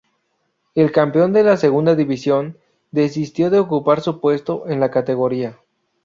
El campeón de la "Segunda División" desistió de ocupar su puesto en la categoría.